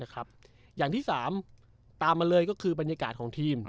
นะครับอย่างที่สามตามมาเลยก็คือบรรยากาศของทีมอืม